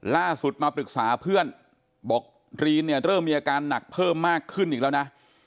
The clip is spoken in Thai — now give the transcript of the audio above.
ล่าสุดมาปรึกษาเพื่อนบอกรีนเนี่ยเริ่มมีอาการหนักเพิ่มมากขึ้นอีกแล้วนะ